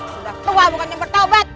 sudah tua bukan yang bertaubat